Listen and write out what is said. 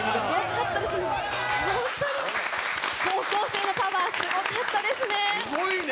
高校生のパワー、すごかったすごいね！